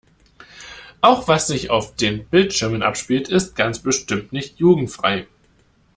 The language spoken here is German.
Auch was sich auf den Bildschirmen abspielt ist ganz bestimmt nicht jugendfrei.